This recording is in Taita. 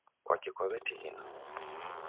Kwaki kwaw'atighina?